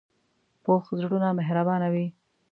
پوخ زړونه مهربانه وي